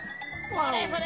それそれ。